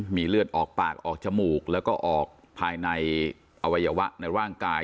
มีเลือดออกปากออกจมูกแล้วก็ออกภายในอวัยวะในร่างกาย